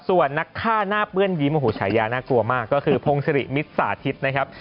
ส่วนนักฆ่าหน้าเปื้อนยิ้มโอ้โหฉายาน่ากลัวมากก็คือพงศิริมิตสาธิตนะครับ